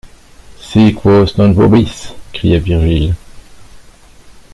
Sic vos non vobis ! criait Virgile.